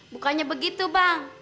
bukannya begitu bang